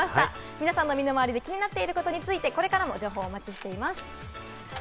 皆さんの身の回りで気になっていることについて、これからも情報をお待ちしています。